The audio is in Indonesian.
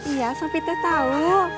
iya sopi tau